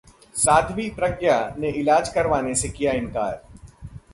साध्वी प्रज्ञा ने इलाज करवाने से किया इनकार